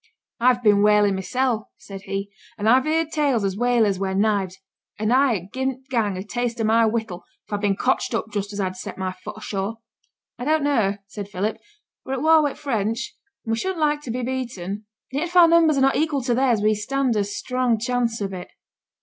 'I've been whaling mysel',' said he; 'and I've heerd tell as whalers wear knives, and I'd ha' gi'en t' gang a taste o' my whittle, if I'd been cotched up just as I'd set my foot a shore.' 'I don't know,' said Philip; 'we're at war wi' the French, and we shouldn't like to be beaten; and yet if our numbers are not equal to theirs, we stand a strong chance of it.'